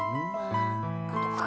minuman atau apa aja